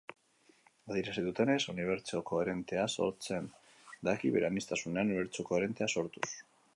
Adierazi dutenez, unibertso koherentea sortzen daki bere aniztasunean, unibertso koherentea sortuz.